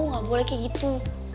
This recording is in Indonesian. gak boleh kayak gitu